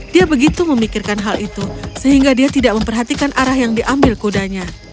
dia begitu memikirkan hal itu sehingga dia tidak memperhatikan arah yang diambil kudanya